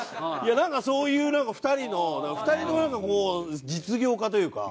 なんかそういう２人の２人ともなんかこう実業家というか。